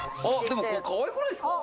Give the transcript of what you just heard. でもこれかわいくないですか？」